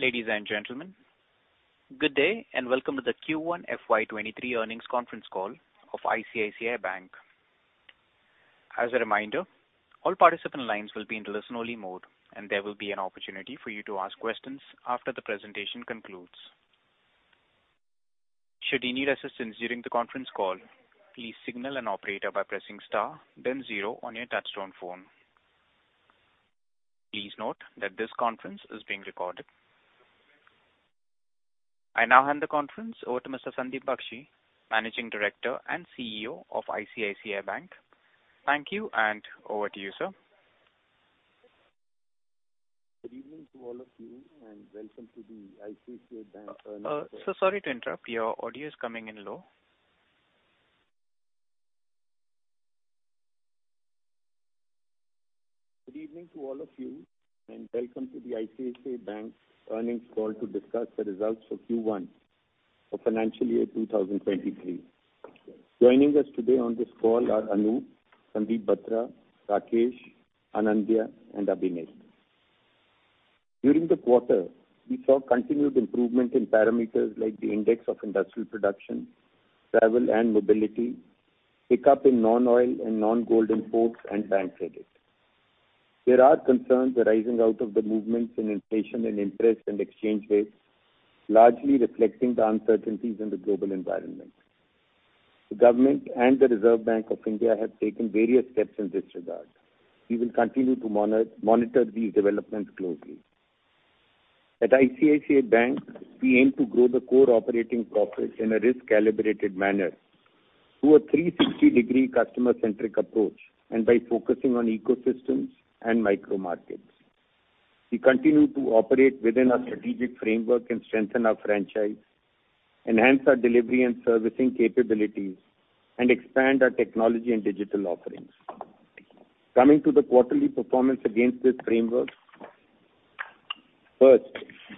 Ladies and gentlemen, good day, and welcome to the Q1 FY 2023 earnings conference call of ICICI Bank. As a reminder, all participant lines will be in listen-only mode, and there will be an opportunity for you to ask questions after the presentation concludes. Should you need assistance during the conference call, please signal an operator by pressing star then zero on your touchtone phone. Please note that this conference is being recorded. I now hand the conference over to Mr. Sandeep Bakhshi, Managing Director and CEO of ICICI Bank. Thank you, and over to you, sir. Good evening to all of you, and welcome to the ICICI Bank earnings. Sir, sorry to interrupt. Your audio is coming in low. Good evening to all of you, and welcome to the ICICI Bank earnings call to discuss the results for Q1 of financial year 2023. Joining us today on this call are Anup, Sandeep Batra, Rakesh, Anindya, and Abhinek. During the quarter, we saw continued improvement in parameters like the index of industrial production, travel and mobility, pick up in non-oil and non-gold imports and bank credit. There are concerns arising out of the movements in inflation and interest and exchange rates, largely reflecting the uncertainties in the global environment. The government and the Reserve Bank of India have taken various steps in this regard. We will continue to monitor these developments closely. At ICICI Bank, we aim to grow the core operating profits in a risk-calibrated manner through a 360-degree customer-centric approach and by focusing on ecosystems and micro markets. We continue to operate within our strategic framework and strengthen our franchise, enhance our delivery and servicing capabilities, and expand our technology and digital offerings. Coming to the quarterly performance against this framework. First,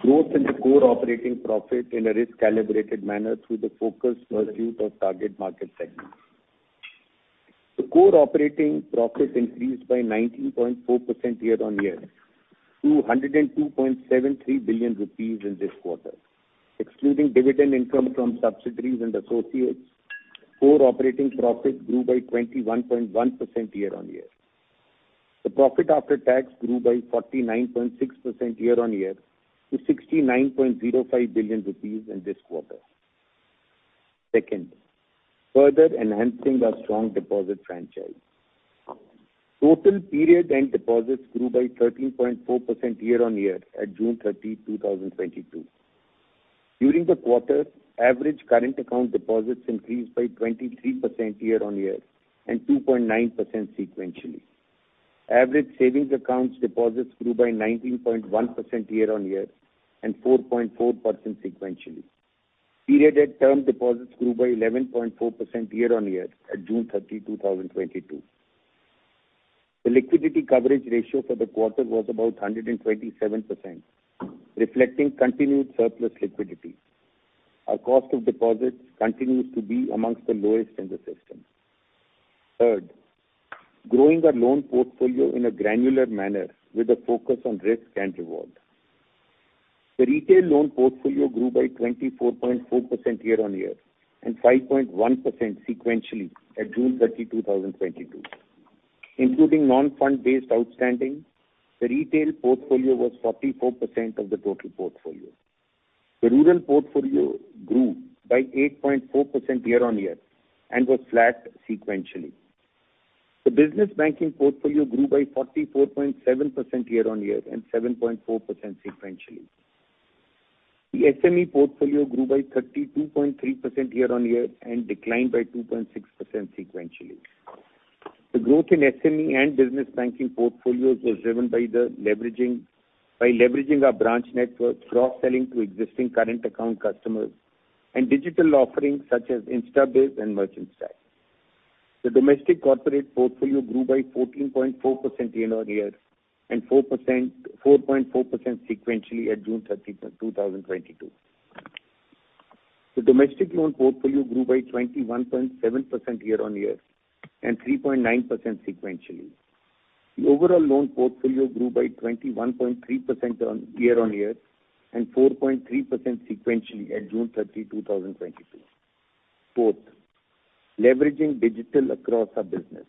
growth in the core operating profit in a risk-calibrated manner through the focused pursuit of target market segments. The core operating profit increased by 19.4% year-on-year INR 20 and 2.73 billion rupees in this quarter. Excluding dividend income from subsidiaries and associates, core operating profit grew by 21.1% year-on-year. The profit after tax grew by 49.6% year-on-year to 69.05 billion rupees in this quarter. Second, further enhancing our strong deposit franchise. Total period end deposits grew by 13.4% year-on-year at June 30, 2022. During the quarter, average current account deposits increased by 23% year-on-year and 2.9% sequentially. Average savings accounts deposits grew by 19.1% year-on-year and 4.4% sequentially. Period-end term deposits grew by 11.4% year-on-year at June 30, 2022. The liquidity coverage ratio for the quarter was about 127%, reflecting continued surplus liquidity. Our cost of deposits continues to be among the lowest in the system. Third, growing our loan portfolio in a granular manner with a focus on risk and reward. The retail loan portfolio grew by 24.4% year-on-year and 5.1% sequentially at June 30, 2022. Including non-fund-based outstanding, the retail portfolio was 44% of the total portfolio. The rural portfolio grew by 8.4% year-on-year and was flat sequentially. The business banking portfolio grew by 44.7% year-over-year and 7.4% sequentially. The SME portfolio grew by 32.3% year-over-year and declined by 2.6% sequentially. The growth in SME and business banking portfolios was driven by leveraging our branch network, cross-selling to existing current account customers, and digital offerings such as InstaBIZ and Merchant Stack. The domestic corporate portfolio grew by 14.4% year-over-year and 4.4% sequentially at June 30, 2022. The domestic loan portfolio grew by 21.7% year-over-year and 3.9% sequentially. The overall loan portfolio grew by 21.3% year-over-year and 4.3% sequentially at June 30, 2022. Fourth, leveraging digital across our business.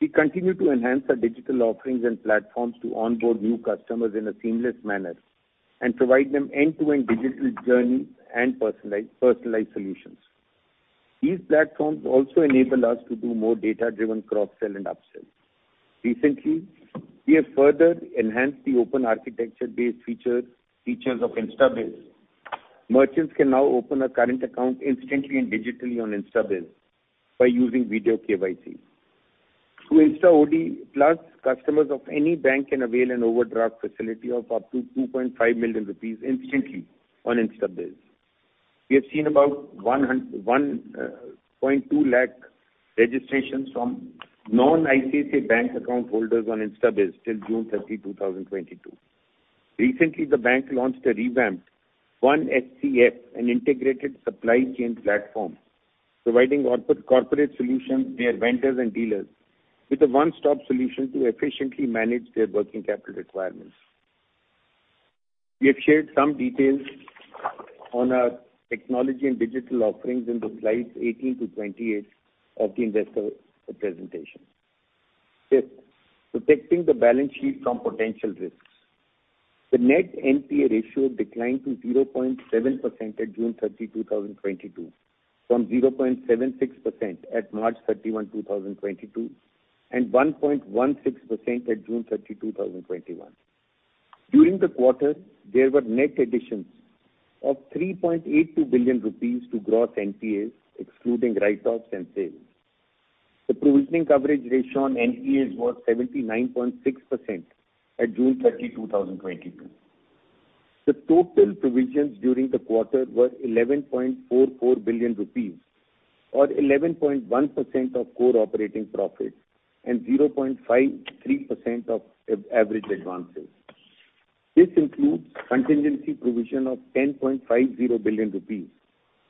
We continue to enhance our digital offerings and platforms to onboard new customers in a seamless manner and provide them end-to-end digital journey and personalized solutions. These platforms also enable us to do more data-driven cross-sell and upsell. Recently, we have further enhanced the open architecture-based features of InstaBIZ. Merchants can now open a current account instantly and digitally on InstaBIZ by using video KYC. Through Insta OD Plus, customers of any bank can avail an overdraft facility of up to 2.5 million rupees instantly on InstaBIZ. We have seen about 1.2 lakh registrations from non-ICICI Bank account holders on InstaBIZ till June 30, 2022. Recently, the bank launched a revamped OneSCF, an integrated supply chain platform providing corporate solutions to their vendors and dealers with a one-stop solution to efficiently manage their working capital requirements. We have shared some details on our technology and digital offerings in the slides 18-28 of the investor presentation. Fifth, protecting the balance sheet from potential risks. The net NPA ratio declined to 0.7% at June 30, 2022, from 0.76% at March 31, 2022, and 1.16% at June 30, 2021. During the quarter, there were net additions of 3.82 billion rupees to gross NPAs, excluding write-offs and sales. The provisioning coverage ratio on NPAs was 79.6% at June 30, 2022. The total provisions during the quarter were INR 11.44 billion or 11.1% of core operating profit and 0.53% of average advances. This includes contingency provision of 10.50 billion rupees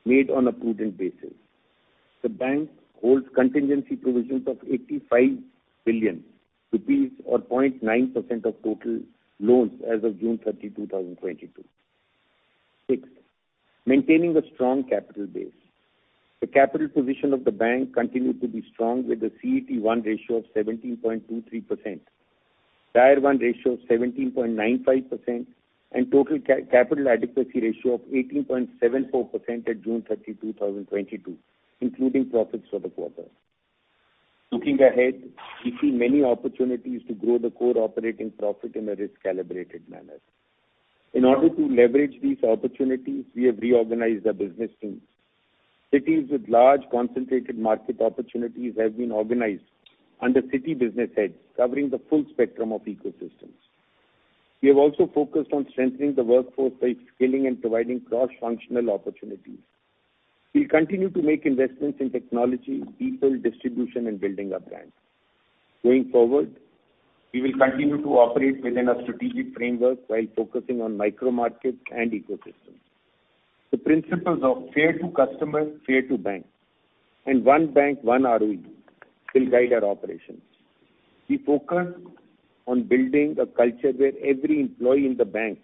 made on a prudent basis. The bank holds contingency provisions of 85 billion rupees or 0.9% of total loans as of June 30, 2022. Sixth, maintaining a strong capital base. The capital position of the bank continued to be strong with the CET1 ratio of 17.23%, Tier 1 ratio of 17.95%, and total capital adequacy ratio of 18.74% at June 30, 2022, including profits for the quarter. Looking ahead, we see many opportunities to grow the core operating profit in a risk-calibrated manner. In order to leverage these opportunities, we have reorganized our business teams. Cities with large concentrated market opportunities have been organized under city business heads covering the full spectrum of ecosystems. We have also focused on strengthening the workforce by upskilling and providing cross-functional opportunities. We'll continue to make investments in technology, people, distribution, and building our brand. Going forward, we will continue to operate within our strategic framework while focusing on micro markets and ecosystems. The principles of fair to customer, fair to bank, and one bank, one ROE will guide our operations. We focus on building a culture where every employee in the bank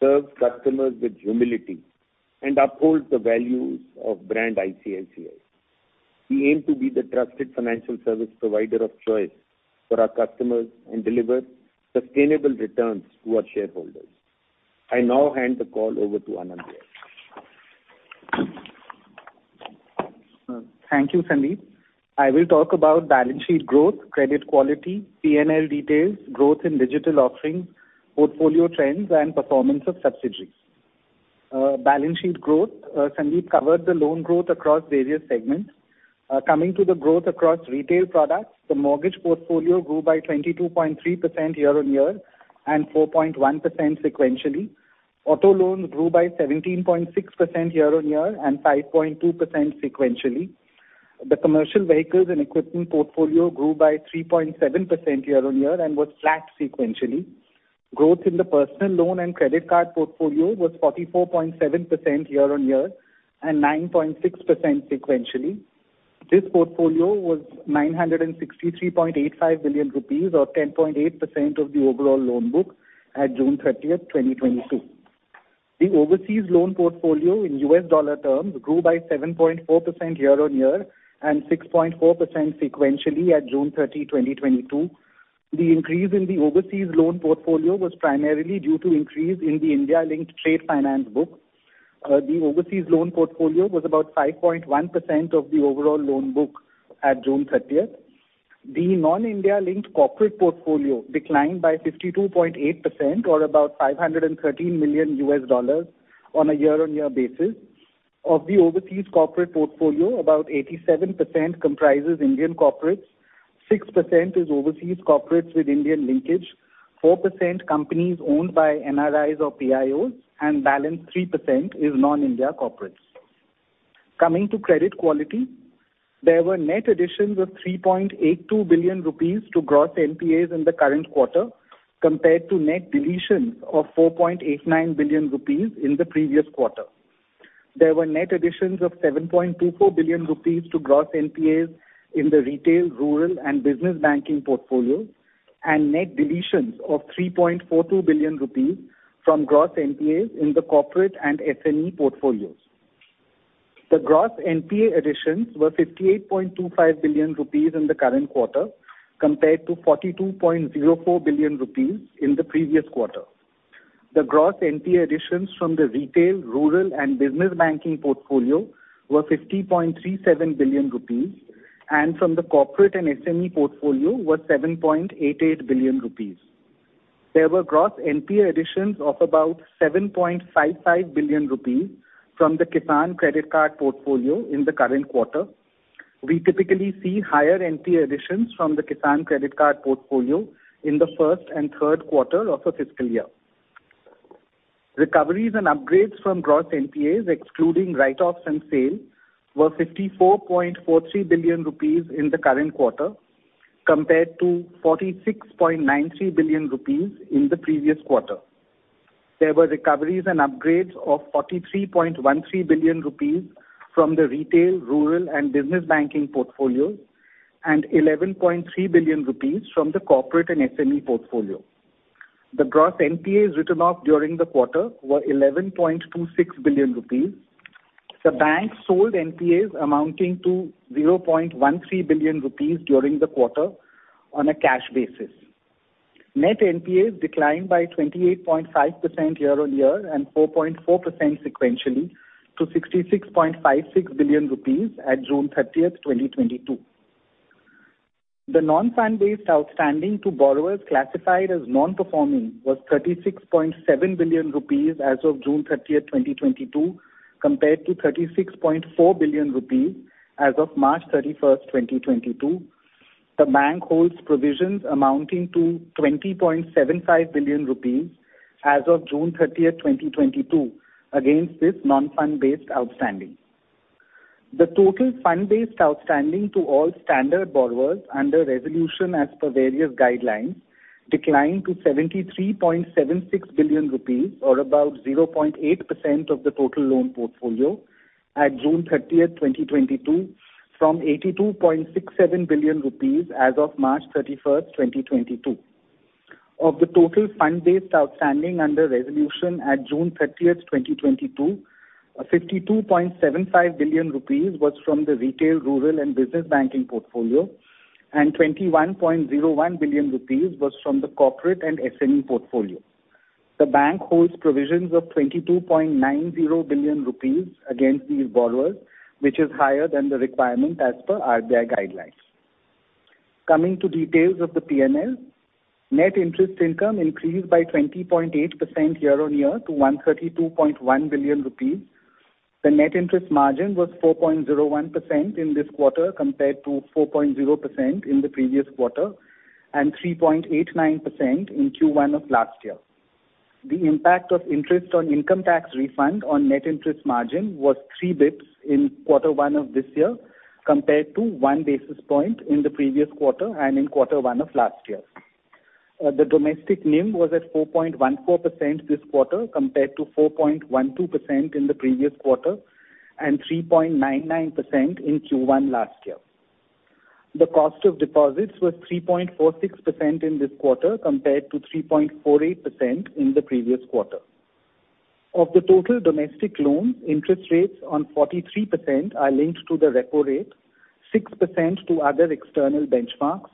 serves customers with humility and upholds the values of brand ICICI. We aim to be the trusted financial service provider of choice for our customers and deliver sustainable returns to our shareholders. I now hand the call over to Anindya. Thank you, Sandeep. I will talk about balance sheet growth, credit quality, P&L details, growth in digital offerings, portfolio trends, and performance of subsidiaries. Balance sheet growth, Sandeep covered the loan growth across various segments. Coming to the growth across retail products, the mortgage portfolio grew by 22.3% year-on-year and 4.1% sequentially. Auto loans grew by 17.6% year-on-year and 5.2% sequentially. The commercial vehicles and equipment portfolio grew by 3.7% year-on-year and was flat sequentially. Growth in the personal loan and credit card portfolio was 44.7% year-on-year and 9.6% sequentially. This portfolio was 963.85 billion rupees or 10.8% of the overall loan book at June 30th, 2022. The overseas loan portfolio in U.S. dollar terms grew by 7.4% year-on-year and 6.4% sequentially at June 30, 2022. The increase in the overseas loan portfolio was primarily due to increase in the India-linked trade finance book. The overseas loan portfolio was about 5.1% of the overall loan book at June 30th. The non-India linked corporate portfolio declined by 52.8% or about $513 million on a year-on-year basis. Of the overseas corporate portfolio, about 87% comprises Indian corporates, 6% is overseas corporates with Indian linkage, 4% companies owned by NRIs or PIOs, and balance 3% is non-India corporates. Coming to credit quality, there were net additions of 3.82 billion rupees to gross NPAs in the current quarter compared to net deletions of 4.89 billion rupees in the previous quarter. There were net additions of 7.24 billion rupees to gross NPAs in the retail, rural, and business banking portfolios, and net deletions of 3.42 billion rupees from gross NPAs in the corporate and SME portfolios. The gross NPA additions were 58.25 billion rupees in the current quarter compared to 42.04 billion rupees in the previous quarter. The gross NPA additions from the retail, rural, and business banking portfolio were 50.37 billion rupees, and from the corporate and SME portfolio was 7.88 billion rupees. There were gross NPA additions of about 7.55 billion rupees from the Kisan Credit Card portfolio in the current quarter. We typically see higher NPA additions from the Kisan Credit Card portfolio in the first and third quarter of a fiscal year. Recoveries and upgrades from gross NPAs, excluding write-offs and sales, were 54.43 billion rupees in the current quarter compared to 46.93 billion rupees in the previous quarter. There were recoveries and upgrades of 43.13 billion rupees from the retail, rural and business banking portfolios, and 11.3 billion rupees from the corporate and SME portfolio. The gross NPAs written off during the quarter were 11.26 billion rupees. The bank sold NPAs amounting to 0.13 billion rupees during the quarter on a cash basis. Net NPAs declined by 28.5% year-on-year and 4.4% sequentially to 66.56 billion rupees at June 30, 2022. The non-fund based outstanding to borrowers classified as non-performing was 36.7 billion rupees as of June 30th, 2022, compared to 36.4 billion rupees as of March 31st, 2022. The bank holds provisions amounting to 20.75 billion rupees as of June 30th, 2022 against this non-fund based outstanding. The total fund-based outstanding to all standard borrowers under resolution as per various guidelines declined to 73.76 billion rupees or about 0.8% of the total loan portfolio at June 30th, 2022, from 82.67 billion rupees as of March 31st, 2022. Of the total fund-based outstanding under resolution at June 30th, 2022, 52.75 billion rupees was from the retail, rural and business banking portfolio, and 21.01 billion rupees was from the corporate and SME portfolio. The bank holds provisions of 22.90 billion rupees against these borrowers, which is higher than the requirement as per RBI guidelines. Coming to details of the P&L. Net interest income increased by 20.8% year-on-year to 132.1 billion rupees. The net interest margin was 4.01% in this quarter, compared to 4.0% in the previous quarter and 3.89% in Q1 of last year. The impact of interest on income tax refund on net interest margin was three basis points in quarter one of this year, compared to one basis point in the previous quarter and in quarter one of last year. The domestic NIM was at 4.14% this quarter, compared to 4.12% in the previous quarter and 3.99% in Q1 last year. The cost of deposits was 3.46% in this quarter, compared to 3.48% in the previous quarter. Of the total domestic loans, interest rates on 43% are linked to the repo rate, 6% to other external benchmarks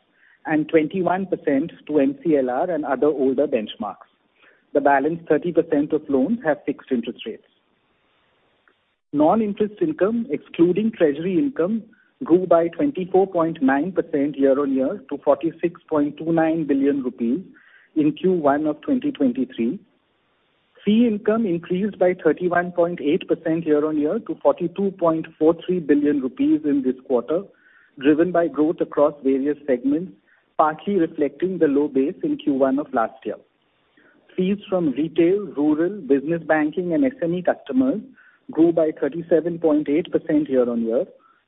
and 21% to MCLR and other older benchmarks. The balance 30% of loans have fixed interest rates. Non-interest income excluding treasury income grew by 24.9% year-on-year to 46.29 billion rupees in Q1 of 2023. Fee income increased by 31.8% year-on-year to 42.43 billion rupees in this quarter, driven by growth across various segments, partly reflecting the low base in Q1 of last year. Fees from retail, rural, business banking and SME customers grew by 37.8% year-on-year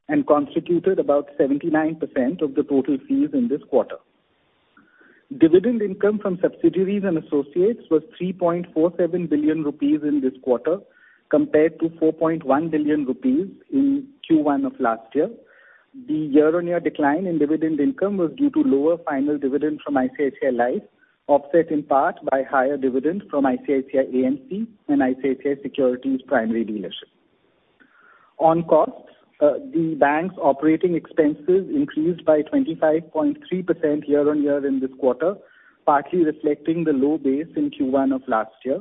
and constituted about 79% of the total fees in this quarter. Dividend income from subsidiaries and associates was 3.47 billion rupees in this quarter, compared to 4.1 billion rupees in Q1 of last year. The year-on-year decline in dividend income was due to lower final dividend from ICICI Life, offset in part by higher dividends from ICICI AMC and ICICI Securities Primary Dealership. The bank's operating expenses increased by 25.3% year on year in this quarter, partly reflecting the low base in Q1 of last year.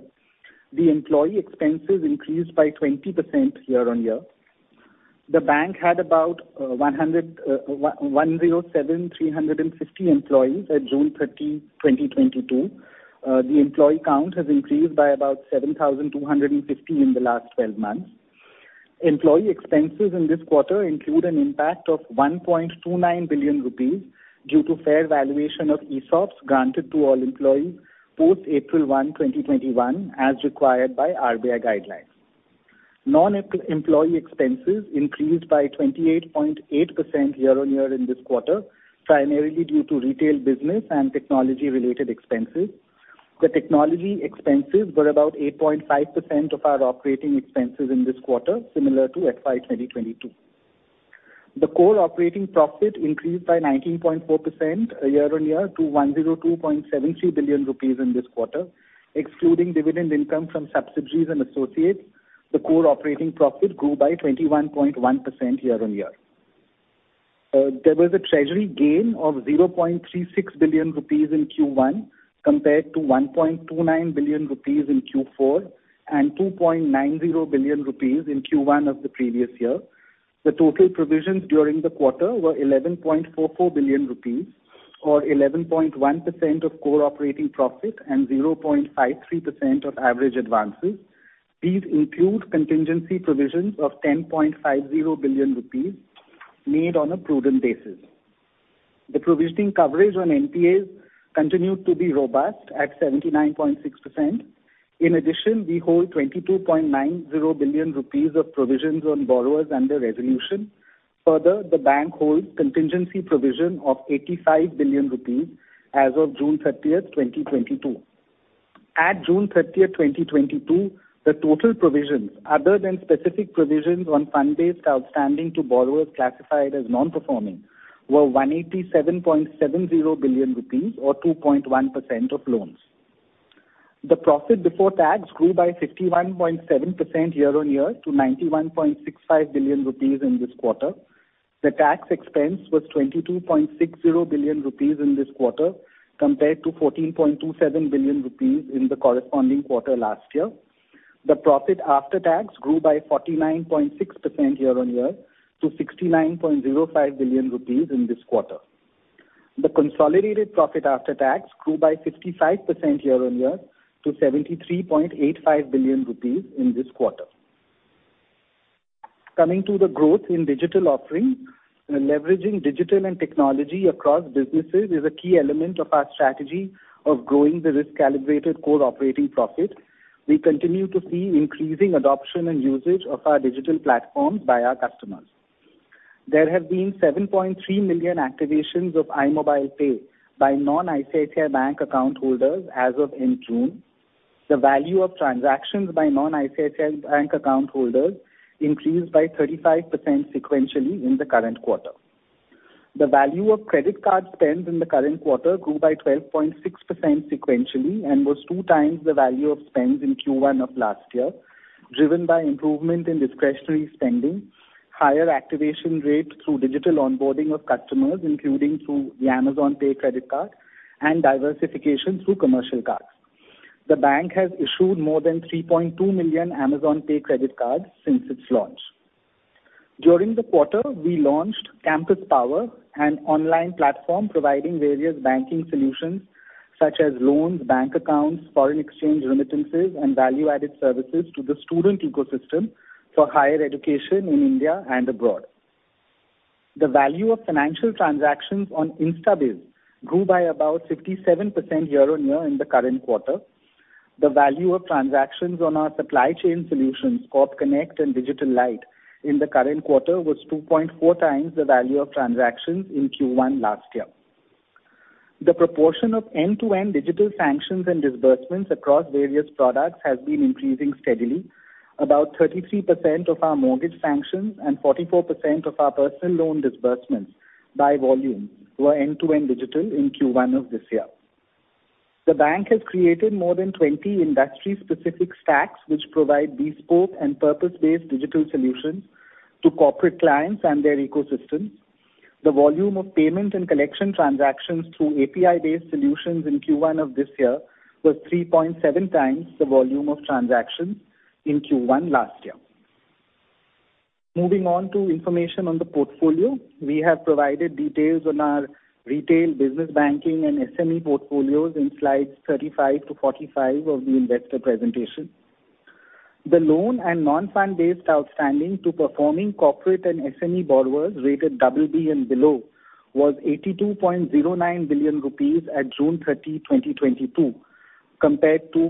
The employee expenses increased by 20% year on year. The bank had about 107,350 employees at June 13th, 2022. The employee count has increased by about 7,250 in the last twelve months. Employee expenses in this quarter include an impact of 1.29 billion rupees due to fair valuation of ESOPs granted to all employees post April 1, 2021, as required by RBI guidelines. Non-employee expenses increased by 28.8% year-on-year in this quarter, primarily due to retail business and technology-related expenses. The technology expenses were about 8.5% of our operating expenses in this quarter, similar to FY 2022. The core operating profit increased by 19.4% year-on-year to 102.73 billion rupees in this quarter. Excluding dividend income from subsidiaries and associates, the core operating profit grew by 21.1% year-on-year. There was a treasury gain of 0.36 billion rupees in Q1 compared to 1.29 billion rupees in Q4 and 2.90 billion rupees in Q1 of the previous year. The total provisions during the quarter were 11.44 billion rupees or 11.1% of core operating profit and 0.53% of average advances. These include contingency provisions of 10.50 billion rupees made on a prudent basis. The provisioning coverage on NPAs continued to be robust at 79.6%. In addition, we hold 22.90 billion rupees of provisions on borrowers under resolution. Further, the bank holds contingency provision of 85 billion rupees as of June thirtieth, 2022. At June thirtieth, 2022, the total provisions other than specific provisions on fund-based outstanding to borrowers classified as non-performing were 187.70 billion rupees or 2.1% of loans. The profit before tax grew by 51.7% year-on-year to 91.65 billion rupees in this quarter. The tax expense was 22.60 billion rupees in this quarter, compared to 14.27 billion rupees in the corresponding quarter last year. The profit after tax grew by 49.6% year-on-year to 69.05 billion rupees in this quarter. The consolidated profit after tax grew by 55% year-on-year to INR 73.85 billion in this quarter. Coming to the growth in digital offerings, leveraging digital and technology across businesses is a key element of our strategy of growing the risk-calibrated core operating profit. We continue to see increasing adoption and usage of our digital platforms by our customers. There have been 7.3 million activations of iMobile Pay by non-ICICI Bank account holders as of end June. The value of transactions by non-ICICI Bank account holders increased by 35% sequentially in the current quarter. The value of credit card spends in the current quarter grew by 12.6% sequentially and was two times the value of spends in Q1 of last year, driven by improvement in discretionary spending, higher activation rate through digital onboarding of customers, including through the Amazon Pay credit card and diversification through commercial cards. The bank has issued more than 3.2 million Amazon Pay credit cards since its launch. During the quarter, we launched Campus Power, an online platform providing various banking solutions such as loans, bank accounts, foreign exchange remittances, and value-added services to the student ecosystem for higher education in India and abroad. The value of financial transactions on InstaBIZ grew by about 57% year-on-year in the current quarter. The value of transactions on our supply chain solutions, Corp Connect and DigitalLite in the current quarter was 2.4 times the value of transactions in Q1 last year. The proportion of end-to-end digital sanctions and disbursements across various products has been increasing steadily. About 33% of our mortgage sanctions and 44% of our personal loan disbursements by volume were end-to-end digital in Q1 of this year. The bank has created more than 20 industry-specific stacks which provide bespoke and purpose-based digital solutions to corporate clients and their ecosystems. The volume of payment and collection transactions through API-based solutions in Q1 of this year was 3.7 times the volume of transactions in Q1 last year. Moving on to information on the portfolio. We have provided details on our retail business banking and SME portfolios in slides 35-45 of the investor presentation. The loan and non-fund based outstanding to performing corporate and SME borrowers rated BB and below was 82.09 billion rupees at June 30, 2022, compared to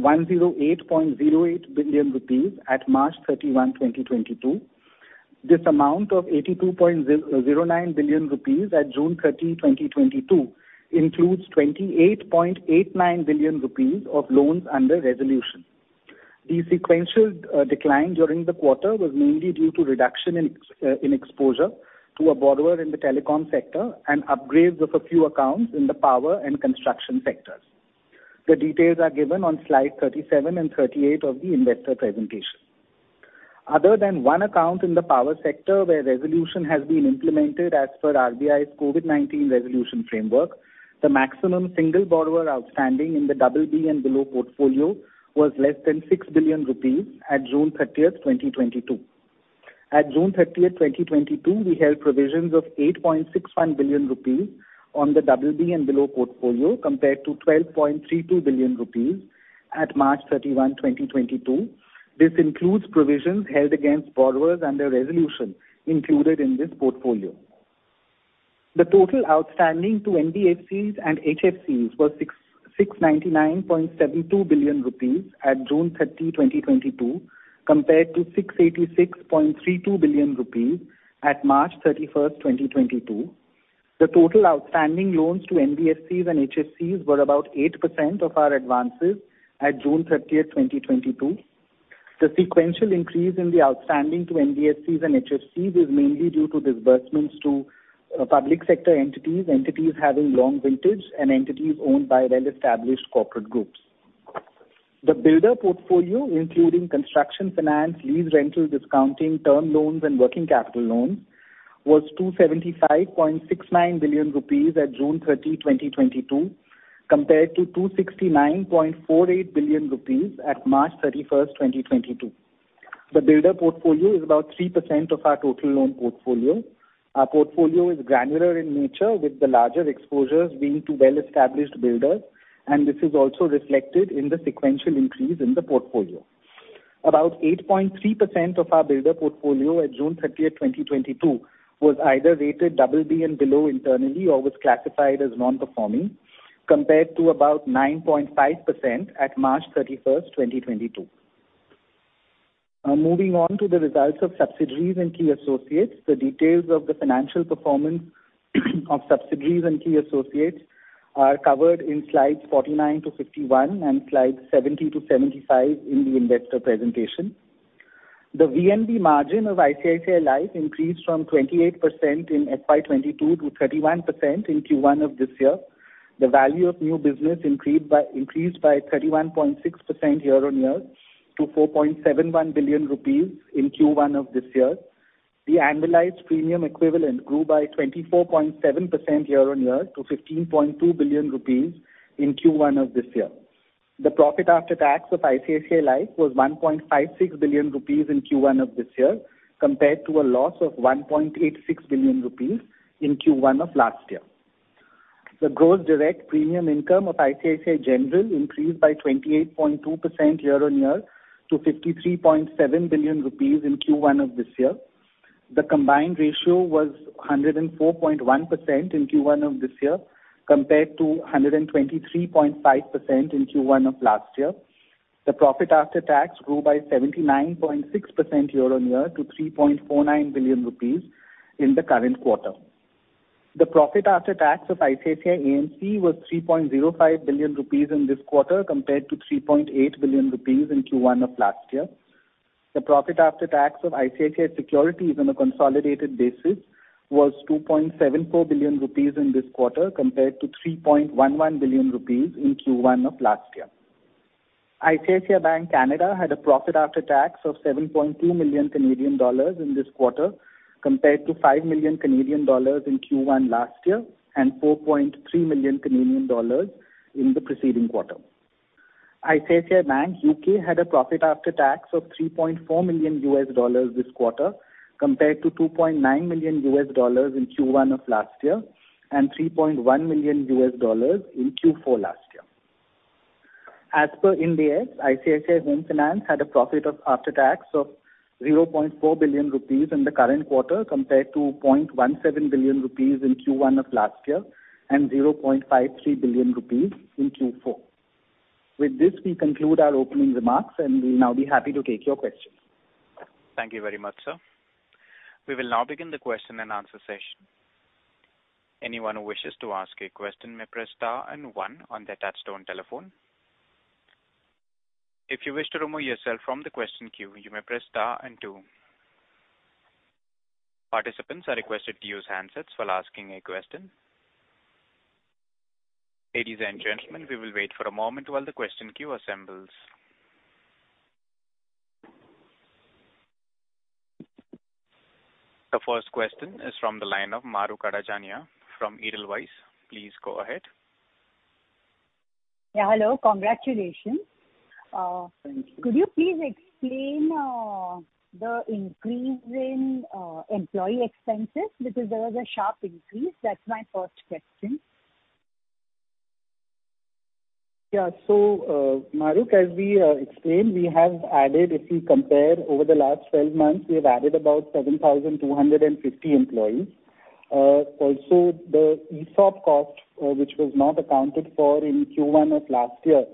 108.08 billion rupees at March 31, 2022. This amount of 82.09 billion rupees at June 30, 2022, includes 28.89 billion rupees of loans under resolution. The sequential decline during the quarter was mainly due to reduction in exposure to a borrower in the telecom sector and upgrades of a few accounts in the power and construction sectors. The details are given on slide 37 and 38 of the investor presentation. Other than one account in the power sector where resolution has been implemented as per RBI's COVID-19 resolution framework, the maximum single borrower outstanding in the BB and below portfolio was less than 6 billion rupees at June 30th, 2022. At June 30th, 2022, we held provisions of 8.61 billion rupees on the BB and below portfolio, compared to 12.32 billion rupees at March 31, 2022. This includes provisions held against borrowers under resolution included in this portfolio. The total outstanding to NBFCs and HFCs was 699.72 billion rupees at June 30, 2022, compared to 686.32 billion rupees at March 31st, 2022. The total outstanding loans to NBFCs and HFCs were about 8% of our advances at June 30, 2022. The sequential increase in the outstanding to NBFCs and HFCs is mainly due to disbursements to public sector entities having long vintage and entities owned by well-established corporate groups. The builder portfolio, including construction finance, lease rental discounting, term loans and working capital loans, was 275.69 billion rupees at June 30, 2022, compared to 269.48 billion rupees at March 31st, 2022. The builder portfolio is about 3% of our total loan portfolio. Our portfolio is granular in nature, with the larger exposures being to well-established builders, and this is also reflected in the sequential increase in the portfolio. About 8.3% of our builder portfolio at June 30th, 2022, was either rated BB and below internally or was classified as non-performing, compared to about 9.5% at March 31st, 2022. Now moving on to the results of subsidiaries and key associates. The details of the financial performance of subsidiaries and key associates are covered in slides 49-51 and slides 70-75 in the investor presentation. The VNB margin of ICICI Life increased from 28% in FY 2022 to 31% in Q1 of this year. The value of new business increased by 31.6% year-on-year to 4.71 billion rupees in Q1 of this year. The annualized premium equivalent grew by 24.7% year-on-year to 15.2 billion rupees in Q1 of this year. The profit after tax of ICICI Life was 1.56 billion rupees in Q1 of this year, compared to a loss of 1.86 billion rupees in Q1 of last year. The gross direct premium income of ICICI General increased by 28.2% year-on-year to 53.7 billion rupees in Q1 of this year. The combined ratio was 104.1% in Q1 of this year, compared to 123.5% in Q1 of last year. The profit after tax grew by 79.6% year-on-year to 3.49 billion rupees in the current quarter. The profit after tax of ICICI AMC was 3.05 billion rupees in this quarter, compared to 3.8 billion rupees in Q1 of last year. The profit after tax of ICICI Securities on a consolidated basis was 2.74 billion rupees in this quarter, compared to 3.11 billion rupees in Q1 of last year. ICICI Bank Canada had a profit after tax of 7.2 million Canadian dollars in this quarter, compared to 5 million Canadian dollars in Q1 last year and 4.3 million Canadian dollars in the preceding quarter. ICICI Bank UK had a profit after tax of $3.4 million this quarter, compared to $2.9 million in Q1 of last year and $3.1 million in Q4 last year. In India, ICICI Home Finance had a profit after tax of 0.4 billion rupees in the current quarter, compared to 0.17 billion rupees in Q1 of last year and 0.53 billion rupees in Q4. With this, we conclude our opening remarks, and we'll now be happy to take your questions. Thank you very much, sir. We will now begin the question and answer session. Anyone who wishes to ask a question may press star and one on their touch-tone telephone. If you wish to remove yourself from the question queue, you may press star and two. Participants are requested to use handsets while asking a question. Ladies and gentlemen, we will wait for a moment while the question queue assembles. The first question is from the line of Mahrukh Adajania from Edelweiss. Please go ahead. Yeah. Hello. Congratulations. Could you please explain the increase in employee expenses because there was a sharp increase? That's my first question. Yeah. Mahrukh, as we explained, we have added, if you compare over the last 12 months, we have added about 7,250 employees. Also the ESOP cost, which was not accounted for in Q1 of last year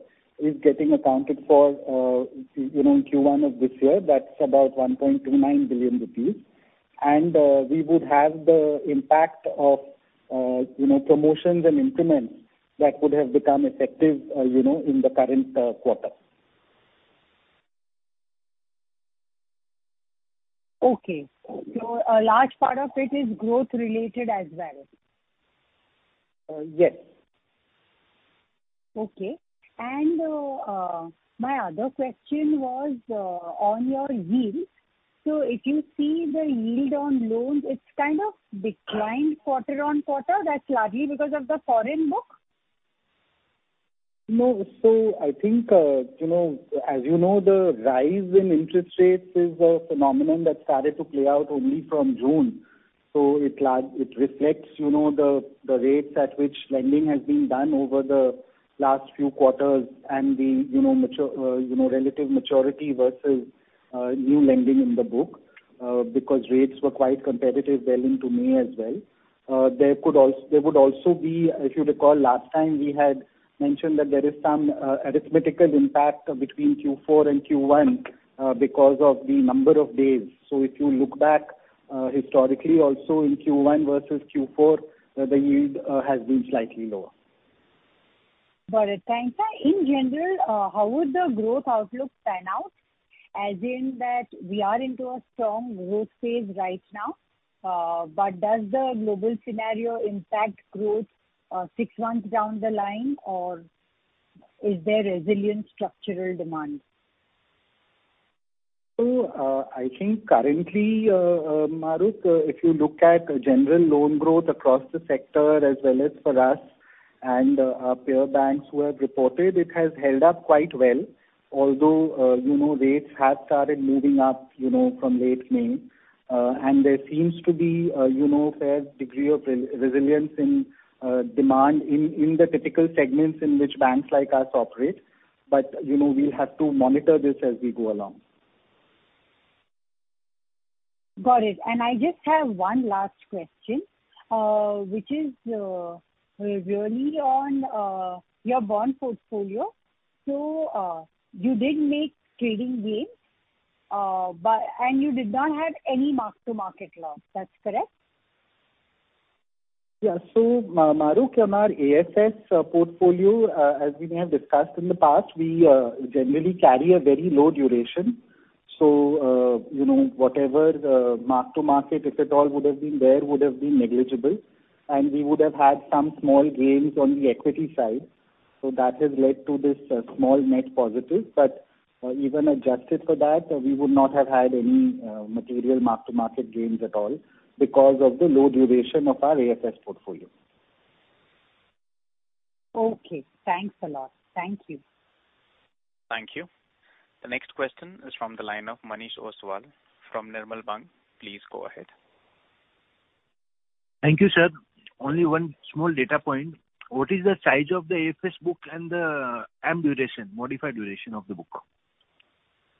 is getting accounted for, you know, in Q1 of this year. That's about 1.29 billion rupees. We would have the impact of, you know, promotions and increments that would have become effective, you know, in the current quarter. Okay. A large part of it is growth related as well? Yes. Okay, my other question was on your yield. If you see the yield on loans, it's kind of declined quarter-on-quarter. That's largely because of the foreign book? No. I think, you know, as you know, the rise in interest rates is a phenomenon that started to play out only from June. It reflects, you know, the rates at which lending has been done over the last few quarters and the, you know, relative maturity versus new lending in the book, because rates were quite competitive well into May as well. There would also be, if you recall last time, we had mentioned that there is some arithmetical impact between Q4 and Q1, because of the number of days. If you look back, historically also in Q1 versus Q4, the yield has been slightly lower. Got it. Thanks. In general, how would the growth outlook pan out, as in that we are into a strong growth phase right now, but does the global scenario impact growth, six months down the line or is there resilient structural demand? I think currently, Mahrukh, if you look at general loan growth across the sector as well as for us and our peer banks who have reported, it has held up quite well. Although, you know, rates have started moving up, you know, from late May, and there seems to be, you know, a fair degree of resilience in demand in the typical segments in which banks like us operate. You know, we'll have to monitor this as we go along. Got it. I just have one last question, which is really on your bond portfolio. You did make trading gains, but you did not have any mark-to-market loss. That's correct? Yeah. Mahrukh, our AFS portfolio, as we may have discussed in the past, we generally carry a very low duration. You know, whatever the mark-to-market, if it all would have been there, would have been negligible, and we would have had some small gains on the equity side. That has led to this small net positive. Even adjusted for that, we would not have had any material mark-to-market gains at all because of the low duration of our AFS portfolio. Okay. Thanks a lot. Thank you. Thank you. The next question is from the line of Manish Ostwal from Nirmal Bang. Please go ahead. Thank you, sir. Only one small data point. What is the size of the AFS book and the duration, modified duration of the book?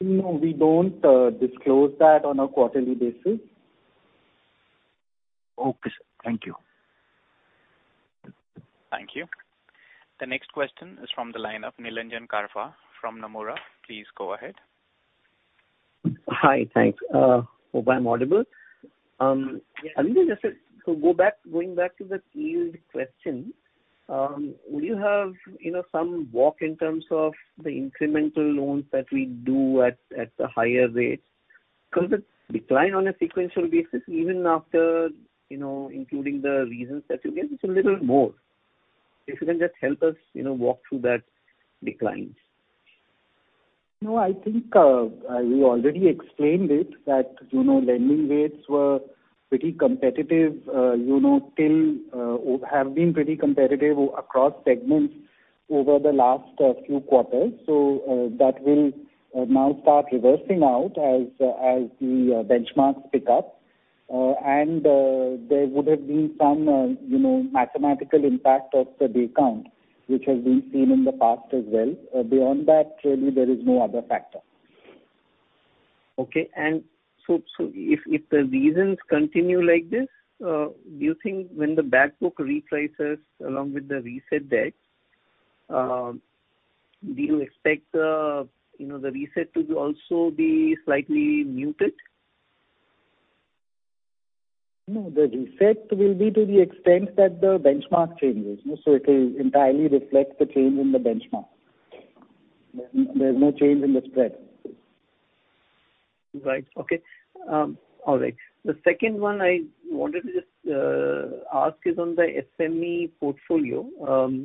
No, we don't disclose that on a quarterly basis. Okay, sir. Thank you. Thank you. The next question is from the line of Nilanjan Karfa from Nomura. Please go ahead. Hi. Thanks. Hope I'm audible. Yes. Going back to the yield question, would you have, you know, some walk in terms of the incremental loans that we do at the higher rates? Because the decline on a sequential basis, even after, you know, including the reasons that you gave, it's a little more. If you can just help us, you know, walk through that decline. No, I think we already explained it that, you know, lending rates were pretty competitive, you know, till or have been pretty competitive across segments over the last few quarters. That will now start reversing out as the benchmarks pick up. There would have been some, you know, mathematical impact of the day count, which has been seen in the past as well. Beyond that, really there is no other factor. If the reasons continue like this, do you think when the back book reprices along with the reset debt, do you expect the, you know, the reset to also be slightly muted? No, the reset will be to the extent that the benchmark changes. It will entirely reflect the change in the benchmark. There's no change in the spread. Right. Okay. All right. The second one I wanted to just ask is on the SME portfolio.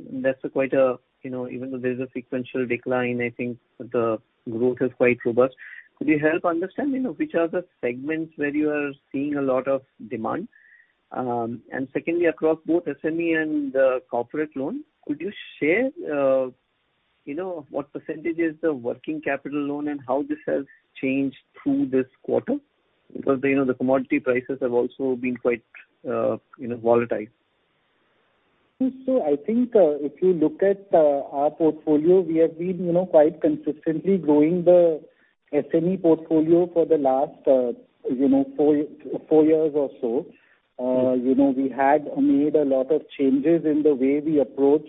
That's quite a, you know, even though there's a sequential decline, I think the growth is quite robust. Could you help understand, you know, which are the segments where you are seeing a lot of demand? Secondly, across both SME and corporate loans, could you share you know, what percentage is the working capital loan and how this has changed through this quarter? Because, you know, the commodity prices have also been quite you know, volatile. I think if you look at our portfolio, we have been, you know, quite consistently growing the SME portfolio for the last, you know, four years or so. You know, we had made a lot of changes in the way we approach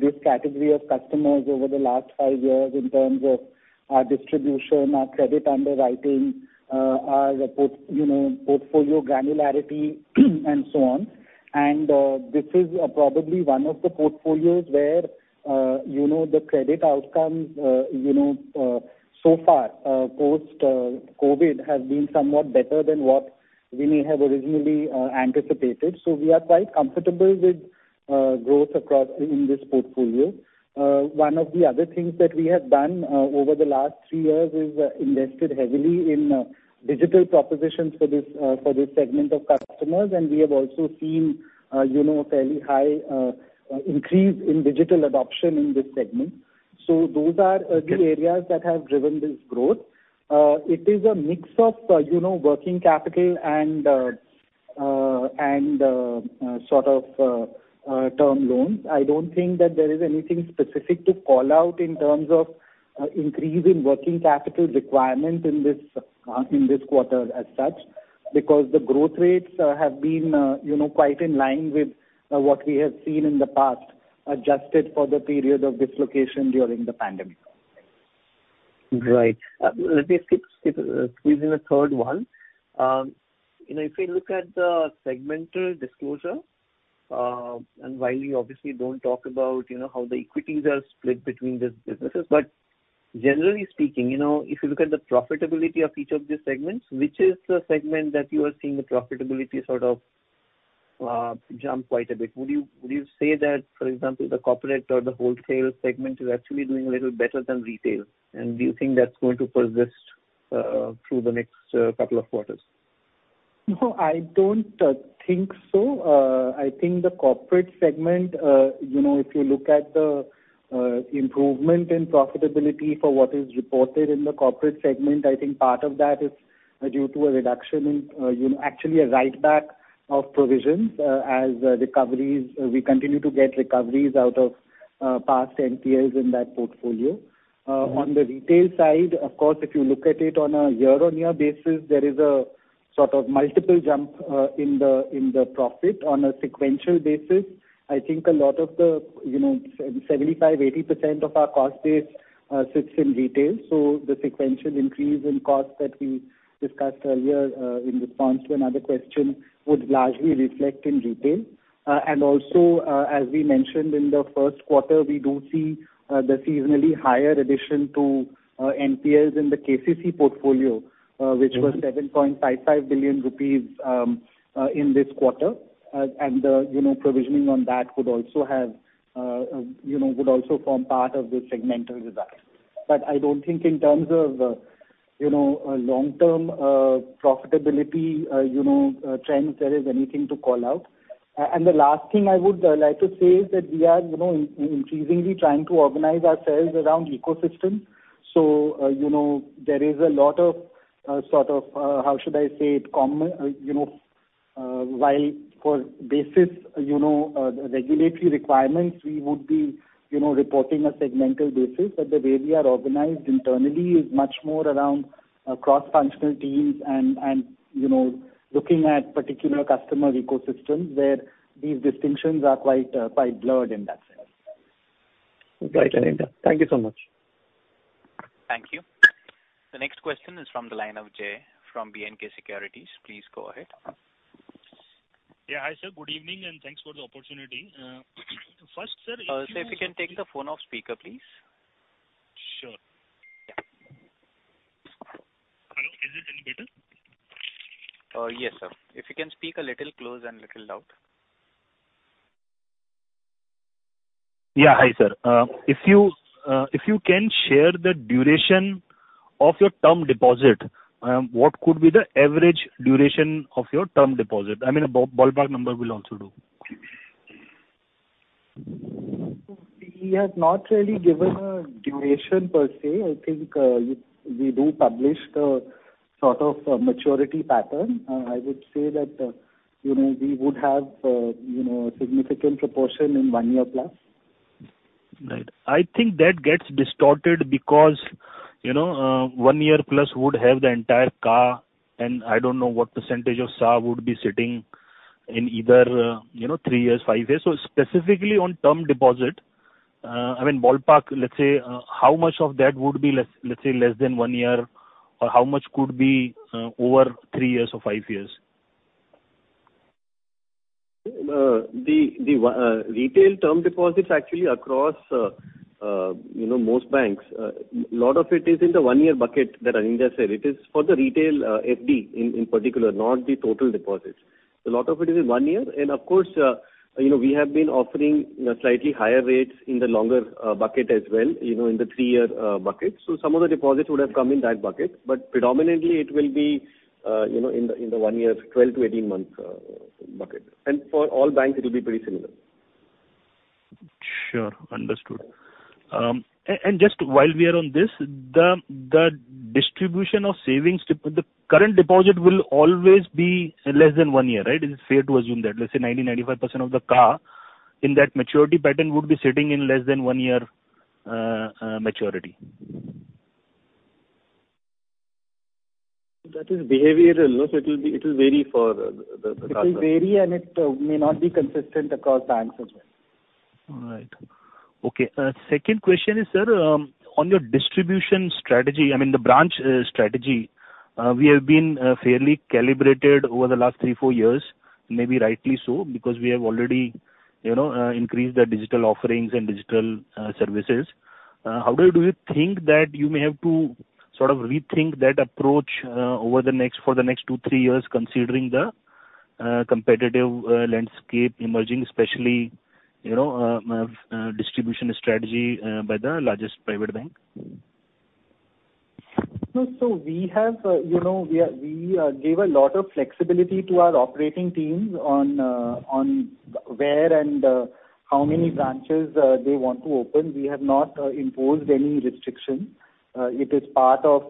this category of customers over the last five years in terms of our distribution, our credit underwriting, you know, portfolio granularity and so on. This is probably one of the portfolios where, you know, the credit outcomes, you know, so far post-COVID has been somewhat better than what we may have originally anticipated. We are quite comfortable with growth across in this portfolio. One of the other things that we have done over the last three years is invested heavily in digital propositions for this segment of customers. We have also seen you know fairly high increase in digital adoption in this segment. Those are the areas that have driven this growth. It is a mix of you know working capital and sort of term loans. I don't think that there is anything specific to call out in terms of increase in working capital requirement in this quarter as such, because the growth rates have been you know quite in line with what we have seen in the past, adjusted for the period of dislocation during the pandemic. Right. Let me skip, squeeze in a third one. You know, if we look at the segmental disclosure, and while you obviously don't talk about, you know, how the equities are split between these businesses, but generally speaking, you know, if you look at the profitability of each of these segments, which is the segment that you are seeing the profitability sort of jump quite a bit? Would you say that, for example, the corporate or the wholesale segment is actually doing a little better than retail? And do you think that's going to persist through the next couple of quarters? No, I don't think so. I think the corporate segment, you know, if you look at the improvement in profitability for what is reported in the corporate segment, I think part of that is due to a reduction in, you know, actually a write back of provisions, as recoveries. We continue to get recoveries out of past NPLs in that portfolio. On the retail side, of course, if you look at it on a year-on-year basis, there is a sort of multiple jump in the profit on a sequential basis. I think a lot of the, you know, 75%-80% of our cost base sits in retail. The sequential increase in costs that we discussed earlier in response to another question would largely reflect in retail. Also, as we mentioned in the first quarter, we do see the seasonally higher addition to NPLs in the KCC portfolio. Mm-hmm. Which was 7.55 billion rupees in this quarter. The, you know, provisioning on that would also form part of the segmental result. I don't think, in terms of, you know, a long-term profitability trends, there is anything to call out. The last thing I would like to say is that we are, you know, increasingly trying to organize ourselves around ecosystem. There is a lot of, you know, sort of, how should I say it. While, on the basis of the regulatory requirements, we would be, you know, reporting on a segmental basis. The way we are organized internally is much more around cross-functional teams and you know looking at particular customer ecosystems where these distinctions are quite blurred in that sense. Right, Anindya. Thank you so much. Thank you. The next question is from the line of Jai from B&K Securities. Please go ahead. Yeah. Hi, sir. Good evening, and thanks for the opportunity. First, sir, if you. Sir, if you can take the phone off speaker, please. Sure. Hello, is it any better? Yes, sir. If you can speak a little close and little loud. Yeah. Hi, sir. If you can share the duration of your term deposit, what could be the average duration of your term deposit? I mean, a ballpark number will also do. We have not really given a duration per se. I think, we do publish the sort of maturity pattern. I would say that, you know, we would have, you know, a significant proportion in one year plus. Right. I think that gets distorted because, you know, one year plus would have the entire car and I don't know what percentage of SA would be sitting in either, you know, three years, five years. Specifically on term deposit, I mean, ballpark, let's say, how much of that would be less, let's say less than one year or how much could be, over three years or five years? The retail term deposits actually across you know most banks, a lot of it is in the one-year bucket that Anindya said. It is for the retail FD in particular, not the total deposits. A lot of it is in one year. Of course, you know, we have been offering slightly higher rates in the longer bucket as well, you know, in the three-year bucket. Some of the deposits would have come in that bucket. Predominantly it will be, you know, in the one year, 12-18 month bucket. For all banks it will be pretty similar. Sure. Understood. Just while we are on this, the distribution of savings and current deposits will always be less than one year, right? Is it fair to assume that, let's say 95% of the CASA in that maturity pattern would be sitting in less than one year, maturity? That is behavioral. It will vary for the customer. It will vary, and it may not be consistent across banks as well. All right. Okay. Second question is, sir, on your distribution strategy, I mean the branch strategy, we have been fairly calibrated over the last three, four years, maybe rightly so, because we have already, you know, increased the digital offerings and digital services. How do you think that you may have to sort of rethink that approach, for the next two, three years, considering the competitive landscape emerging, especially, you know, distribution strategy by the largest private bank? No, we have, you know, gave a lot of flexibility to our operating teams on where and how many branches they want to open. We have not imposed any restriction. It is part of,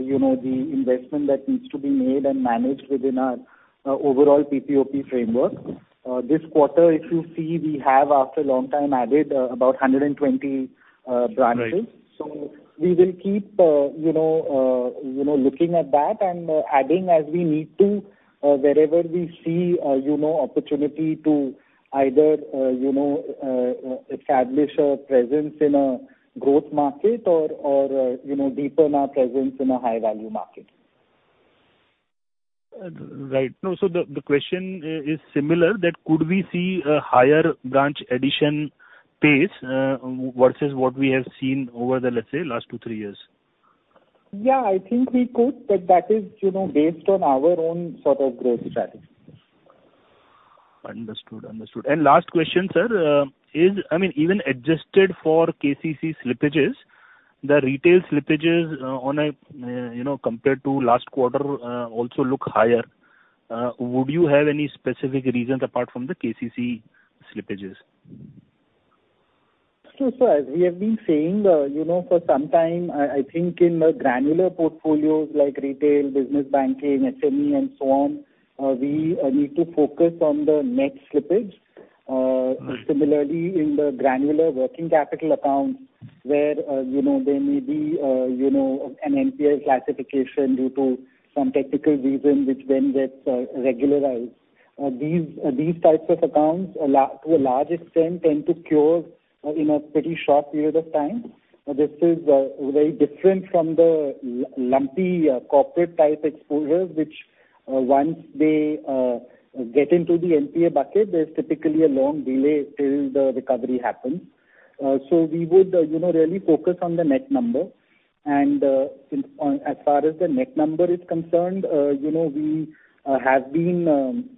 you know, the investment that needs to be made and managed within our overall PPOP framework. This quarter, if you see, we have after a long time added about 120 branches. Right. We will keep, you know, you know, looking at that and, adding as we need to, wherever we see, you know, opportunity to either, you know, establish a presence in a growth market or, you know, deepen our presence in a high value market. Right. No, the question is similar that could we see a higher branch addition pace versus what we have seen over the, let's say, last two, three years? Yeah, I think we could, but that is, you know, based on our own sort of growth strategy. Understood. Last question, sir, is, I mean, even adjusted for KCC slippages, the retail slippages, on a, you know, compared to last quarter, also look higher. Would you have any specific reasons apart from the KCC slippages? As we have been saying, you know, for some time, I think in the granular portfolios like retail, business banking, SME and so on, we need to focus on the net slippage. Similarly, in the granular working capital accounts where, you know, there may be, you know, an NPA classification due to some technical reason which then gets regularized. These types of accounts to a large extent tend to cure in a pretty short period of time. This is very different from the lumpy corporate type exposures, which once they get into the NPA bucket, there's typically a long delay till the recovery happens. We would, you know, really focus on the net number. As far as the net number is concerned, you know, we have been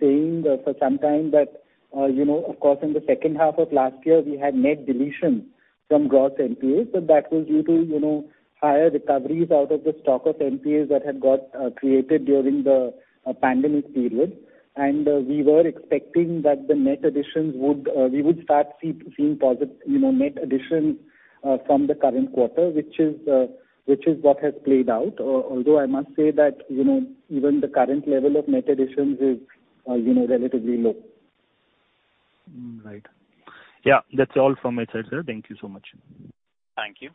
saying for some time that, you know, of course, in the second half of last year, we had net deletion from gross NPAs. That was due to, you know, higher recoveries out of the stock of NPAs that had got created during the pandemic period. We were expecting that the net additions would, we would start seeing positive net addition, you know, from the current quarter, which is what has played out. Although I must say that, you know, even the current level of net additions is, you know, relatively low. Yeah, that's all from my side, sir. Thank you so much. Thank you.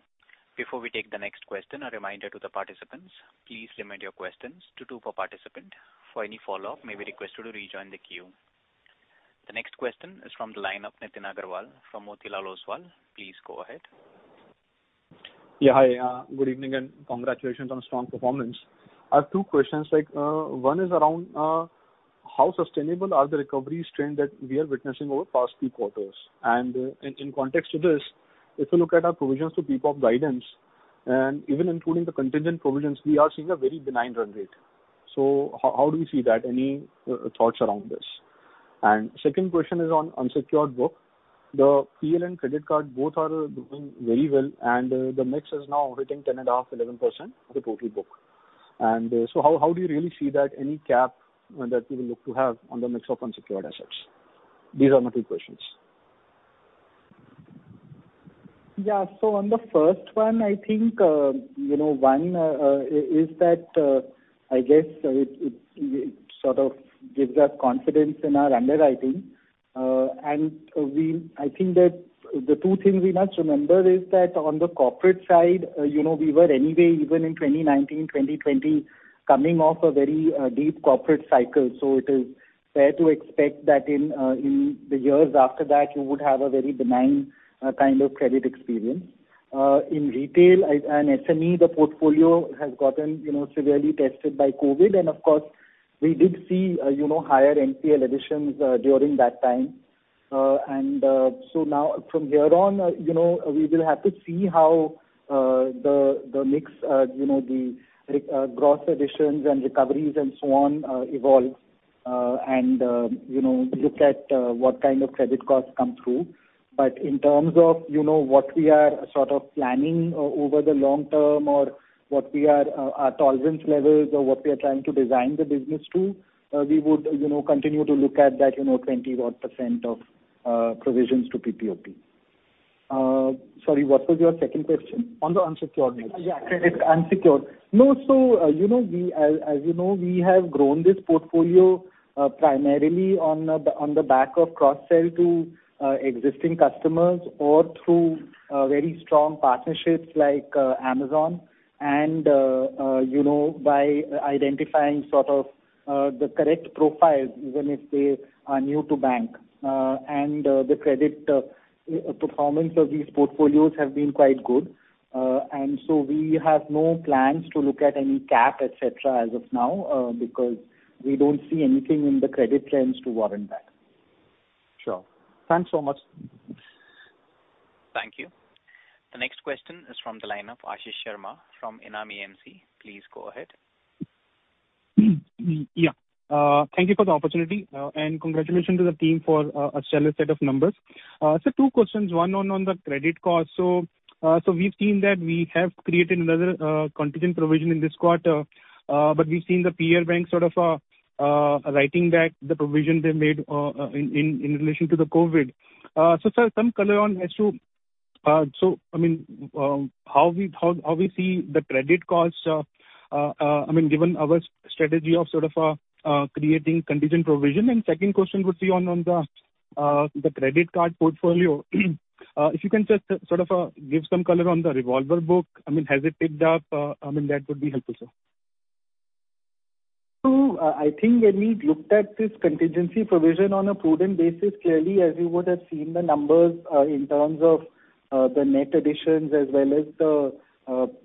Before we take the next question, a reminder to the participants, please limit your questions to two per participant. For any follow-up, you may be requested to rejoin the queue. The next question is from the line of Nitin Aggarwal from Motilal Oswal. Please go ahead. Yeah. Hi, good evening and congratulations on strong performance. I have two questions, like, one is around how sustainable are the recovery strength that we are witnessing over past few quarters? In context to this, if you look at our provisions to PPOP guidance, and even including the contingent provisions, we are seeing a very benign run rate. So how do you see that? Any thoughts around this? Second question is on unsecured book. The P&L and credit card both are doing very well, and the mix is now hitting 10.5%, 11% of the total book. So how do you really see that any cap that you will look to have on the mix of unsecured assets? These are my two questions. On the first one, I think, you know, one is that I guess it sort of gives us confidence in our underwriting. I think that the two things we must remember is that on the corporate side, you know, we were anyway even in 2019, 2020 coming off a very deep corporate cycle. It is fair to expect that in the years after that, you would have a very benign kind of credit experience. In retail and SME, the portfolio has gotten, you know, severely tested by COVID, and of course, we did see, you know, higher NPA additions during that time. Now from here on, you know, we will have to see how the mix, you know, gross additions and recoveries and so on evolve, and you know, look at what kind of credit costs come through. In terms of, you know, what we are sort of planning over the long term or what we are, our tolerance levels or what we are trying to design the business to, we would, you know, continue to look at that, you know, 20-odd percent of provisions to PPOP. Sorry, what was your second question? On the unsecured mix. Yeah. Credit unsecured. No. You know, as you know, we have grown this portfolio primarily on the back of cross-sell to existing customers or through very strong partnerships like Amazon and, you know, by identifying sort of the correct profiles, even if they are new to bank. The credit performance of these portfolios have been quite good. We have no plans to look at any cap, et cetera, as of now, because we don't see anything in the credit trends to warrant that. Sure. Thanks so much. Thank you. The next question is from the line of Ashish Sharma from Enam AMC. Please go ahead. Yeah. Thank you for the opportunity, and congratulations to the team for a stellar set of numbers. Two questions, one on the credit cost. We've seen that we have created another contingent provision in this quarter, but we've seen the peer bank sort of writing back the provision they made in relation to the COVID. Sir, some color on as to how we see the credit costs, I mean, given our strategy of sort of creating contingent provision. Second question would be on the credit card portfolio. If you can just sort of give some color on the revolver book. I mean, has it picked up? I mean, that would be helpful, sir. I think when we looked at this contingency provision on a prudent basis, clearly, as you would have seen the numbers, in terms of the net additions as well as the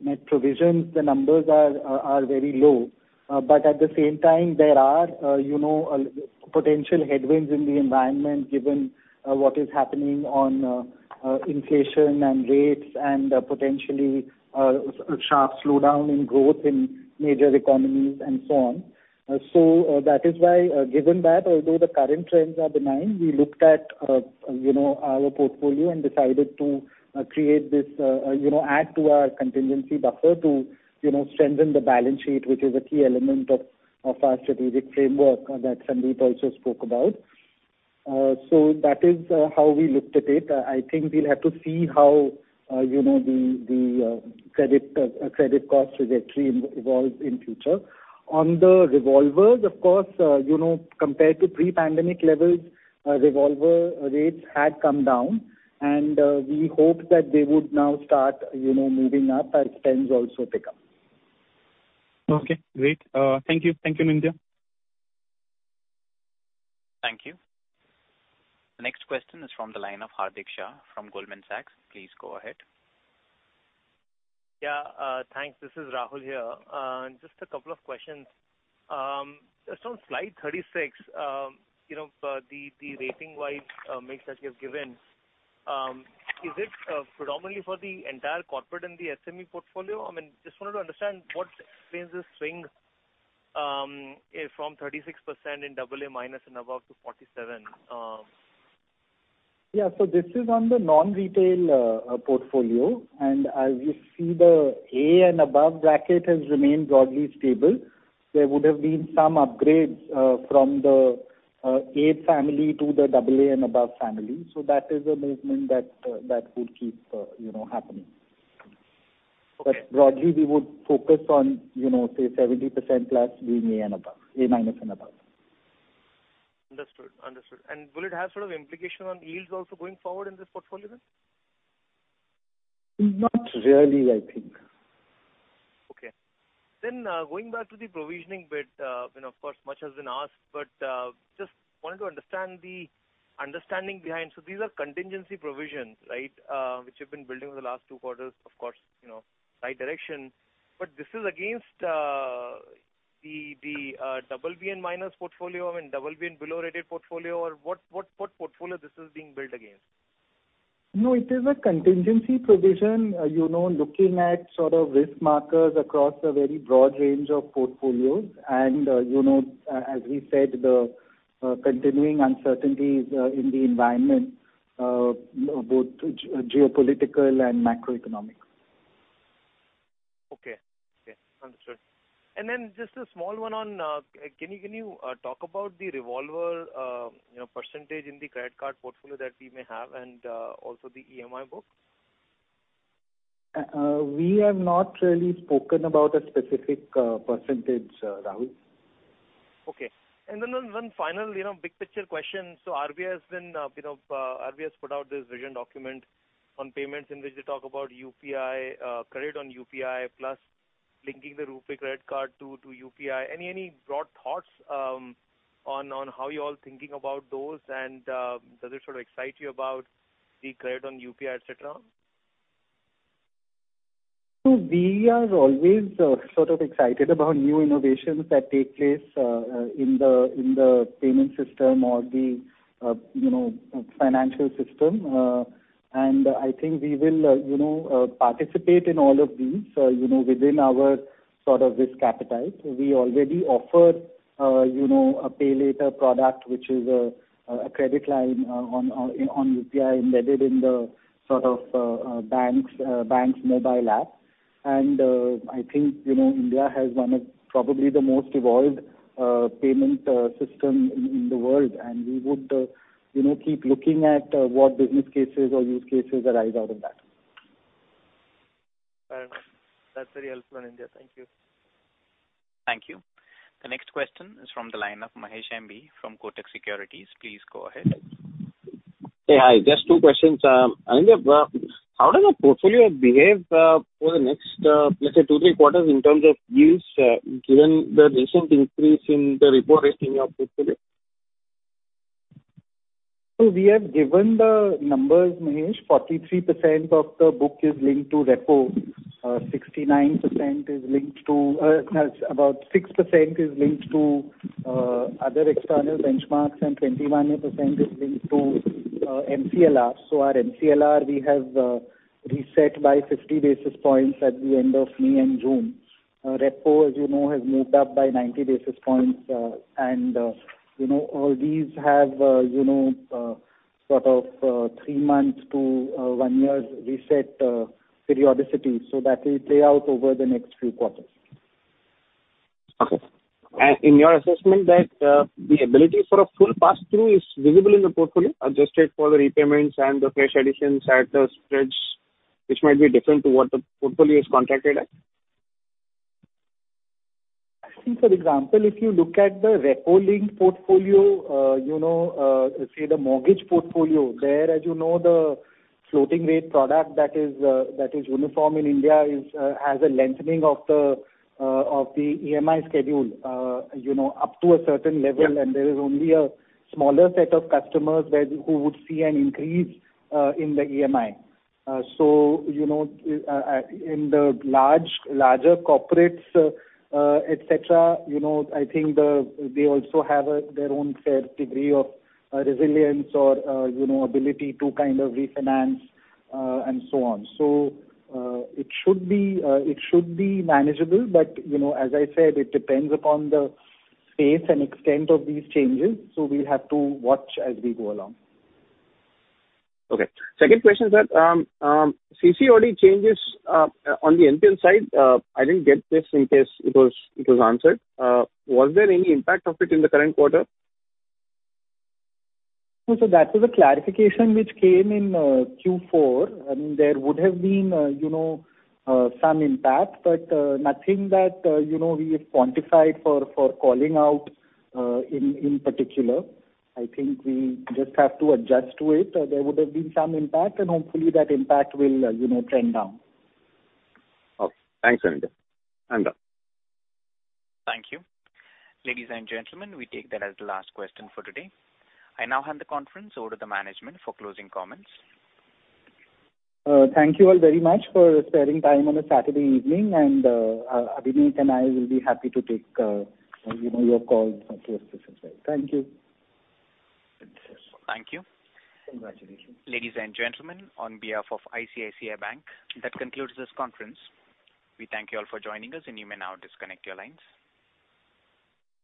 net provisions, the numbers are very low. But at the same time, there are you know potential headwinds in the environment, given what is happening on inflation and rates and potentially a sharp slowdown in growth in major economies and so on. That is why, given that, although the current trends are benign, we looked at, you know, our portfolio and decided to, you know, add to our contingency buffer to, you know, strengthen the balance sheet, which is a key element of our strategic framework that Sandeep also spoke about. That is how we looked at it. I think we'll have to see how, you know, the credit cost trajectory evolves in future. On the revolvers, of course, you know, compared to pre-pandemic levels, revolver rates had come down and we hope that they would now start, you know, moving up as spends also pick up. Okay, great. Thank you. Thank you, Anindya. Thank you. The next question is from the line of Hardik Shah from Goldman Sachs. Please go ahead. Yeah, thanks. This is Rahul here. Just a couple of questions. Just on slide 36, you know, the rating-wise mix that you've given, is it predominantly for the entire corporate and the SME portfolio? I mean, just wanted to understand what explains the swing from 36% in AA- and above to 47%. Yeah. This is on the non-retail portfolio. As you see, the A and above bracket has remained broadly stable. There would have been some upgrades from the A family to the AA and above family. That is a movement that would keep you know happening. Okay. Broadly, we would focus on, you know, say 70% plus being A and above, A minus and above. Understood. Will it have sort of implication on yields also going forward in this portfolio then? Not really, I think. Okay. Going back to the provisioning bit, I mean, of course much has been asked, but just wanted to understand the understanding behind. These are contingency provisions, right? Which you've been building over the last two quarters, of course, you know, right direction. This is against the BB and minus portfolio and BB and below rated portfolio or what portfolio this is being built against? No, it is a contingency provision, you know, looking at sort of risk markers across a very broad range of portfolios. You know, as we said, the continuing uncertainties in the environment, both geopolitical and macroeconomic. Okay. Understood. Just a small one on, can you talk about the revolver, you know, percentage in the credit card portfolio that we may have and also the EMI book? We have not really spoken about a specific percentage, Rahul. Okay. One final, you know, big picture question. RBI has put out this vision document on payments in which they talk about UPI, credit on UPI plus linking the RuPay credit card to UPI. Any broad thoughts on how you all thinking about those and, does it sort of excite you about the credit on UPI, et cetera? We are always sort of excited about new innovations that take place in the payment system or the, you know, financial system. I think we will you know participate in all of these you know within our sort of risk appetite. We already offer you know a pay later product, which is a credit line on UPI embedded in the sort of bank's mobile app. I think you know India has one of probably the most evolved payment system in the world, and we would you know keep looking at what business cases or use cases arise out of that. Fair enough. That's very helpful, Anindya. Thank you. Thank you. The next question is from the line of M.B. Mahesh from Kotak Securities. Please go ahead. Hey. Hi. Just two questions. Anindya, how does the portfolio behave for the next, let's say two, three quarters in terms of yields, given the recent increase in the repo rate in your portfolio? We have given the numbers, Mahesh. 43% of the book is linked to repo. It's about 6% is linked to other external benchmarks and 21% is linked to MCLR. Our MCLR, we have reset by 50 basis points at the end of May and June. Repo, as you know, has moved up by 90 basis points. And, you know, these have, you know, sort of, three months to one year reset periodicity. That will play out over the next few quarters. In your assessment that, the ability for a full pass-through is visible in the portfolio, adjusted for the repayments and the fresh additions at the spreads, which might be different to what the portfolio is contracted at? I think, for example, if you look at the repo-linked portfolio, you know, say the mortgage portfolio, there, as you know, the floating rate product that is uniform in India has a lengthening of the EMI schedule, you know, up to a certain level. Yeah. There is only a smaller set of customers who would see an increase in the EMI. You know, in the larger corporates, et cetera, you know, I think they also have their own fair degree of resilience or, you know, ability to kind of refinance, and so on. It should be manageable but, you know, as I said, it depends upon the pace and extent of these changes. We'll have to watch as we go along. Okay. Second question is that, CC already changes on the NPL side. I didn't get this in case it was answered. Was there any impact of it in the current quarter? That was a clarification which came in Q4, and there would have been, you know, some impact, but nothing that, you know, we have quantified for calling out in particular. I think we just have to adjust to it. There would have been some impact and hopefully that impact will, you know, trend down. Okay. Thanks, Anindya. I'm done. Thank you. Ladies and gentlemen, we take that as the last question for today. I now hand the conference over to management for closing comments. Thank you all very much for sparing time on a Saturday evening and Abhinek and I will be happy to take, you know, your calls post this as well. Thank you. Thank you. Congratulations. Ladies and gentlemen, on behalf of ICICI Bank, that concludes this conference. We thank you all for joining us and you may now disconnect your lines.